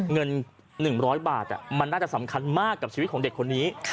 เงิน๑๐๐บาทมันน่าจะสำคัญมากกับชีวิตของเด็กคนนี้